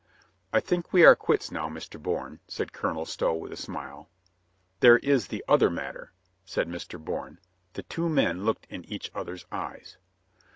"I think we are quits now, Mr. Bourne," said Colonel Stow with a smile. "There is the other matter," said Mr. Bourne. The two men looked in each other's eyes.